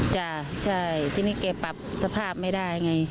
จ้ะใช่ทีนี้แกปรับสภาพไม่ได้ไง